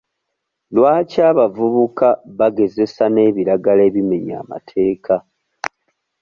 Lwaki abavubuka bagezesa nebiragala ebimenya amateeka?